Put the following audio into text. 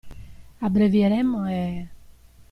Abbrevieremmo e.